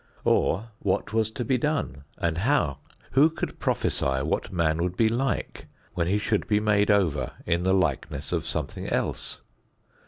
Or, what was to be done and how? Who could prophesy what man would be like when he should be made over in the likeness of something else?